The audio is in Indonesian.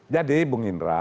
jadi saya ingin mengingatkan